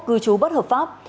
cư trú bất hợp pháp